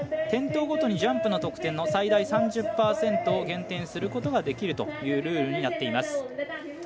転倒ごとにジャンプの得点の最大３０％を減点することができるというルールになっています。